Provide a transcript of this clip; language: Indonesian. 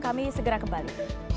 kami segera kembali